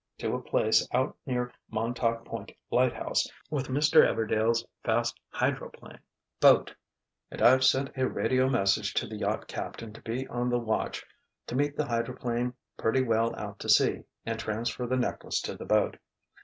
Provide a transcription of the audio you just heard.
—to a place out near Montauk Point lighthouse, with Mr. Everdail's fast hydroplane boat and I've sent a radio message to the yacht captain to be on the watch to meet the hydroplane pretty well out to sea, and transfer the necklace to the boat.